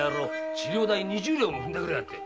治療代二十両もふんだくりやがって。